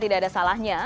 tidak ada salahnya